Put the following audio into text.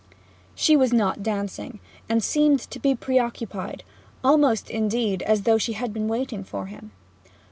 She was not dancing, and seemed to be preoccupied almost, indeed, as though she had been waiting for him.